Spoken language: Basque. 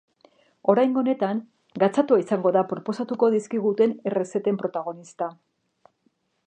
Oraingo honetan, gatzatua izango da proposatuko dizkiguten errezeten protagonista.